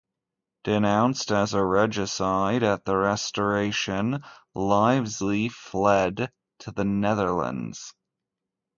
Denounced as a regicide at the Restoration, Livesey fled to the Netherlands.